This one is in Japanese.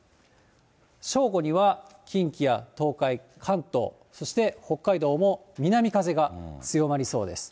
正午には近畿や東海、関東、そして北海道も南風が強まりそうです。